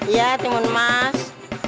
iya timun mas